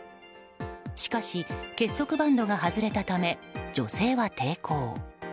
しかし、結束バンドが外れたため女性は抵抗。